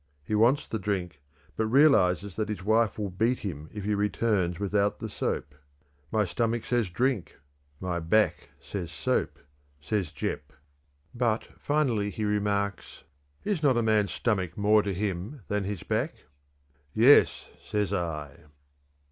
He wants the drink, but realizes that his wife will beat him if he returns without the soap. "My stomach says drink; my back says soap," says Jeppe. "But," finally he remarks, "is not a man's stomach more to him than his back? Yes, says I."